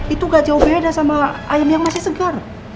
itu gak jauh beda sama ayam yang masih segar